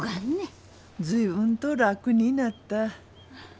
随分と楽になった。